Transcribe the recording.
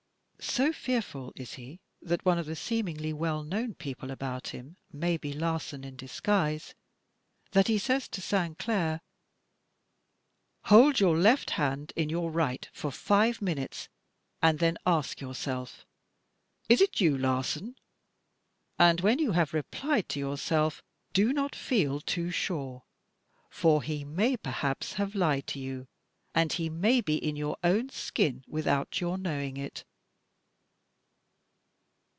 So fearful is he that one of the seemingly well known people about him may be Larsan in disguise, that he says to Sainclair: "Hold your left hand in your right for five minutes and then ask yourself: 'Is it you, Larsan?* And when you have replied to your self, do not feel too sure, for he may, perhaps, have lied to you, and he may be in your own skin without your knowing it."